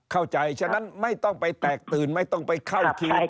ฉะนั้นไม่ต้องไปแตกตื่นไม่ต้องไปเข้าคิว